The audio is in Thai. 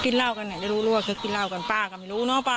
กินเหล้ากันไงได้รู้กินเหล้ากันป้าก็ไม่รู้เนอะป้า